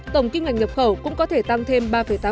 tổng kinh ngạch nhập khẩu cũng có thể tăng thêm ba tám